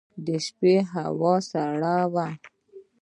د شپې هوا سړه وه.